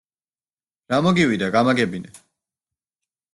რა მოგივიდა, გამაგებინე?